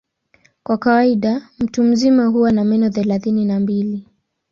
Kwa kawaida mtu mzima huwa na meno thelathini na mbili.